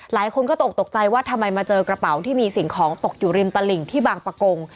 หลายคนก็ตกตกใจว่าทำไมมาเจอกระเป๋าที่มีสิ่งของตกอยู่ริมตลิ่งที่บางประกง